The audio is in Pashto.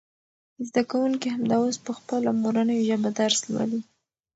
زده کوونکي همدا اوس په خپله مورنۍ ژبه درس لولي.